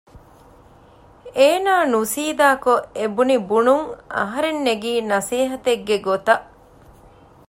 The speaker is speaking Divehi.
އޭނާ ނުސީދާކޮށް އެ ބުނި ބުނުން އަހަރެން ނެގީ ނަސޭހަތެއްގެ ގޮތަށް